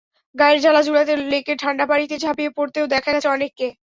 গায়ের জ্বালা জুড়াতে লেকের ঠান্ডা পানিতে ঝাঁপিয়ে পড়তেও দেখা গেছে অনেককে।